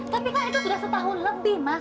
tapi kak itu sudah setahun lebih mas